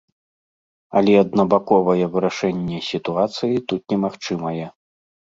Але аднабаковае вырашэнне сітуацыі тут немагчымае.